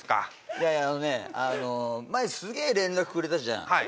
いやいやあのねあの前すげえ連絡くれたじゃんはい！